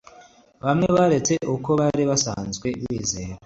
Bamwe baretse uko bari basanzwe bizera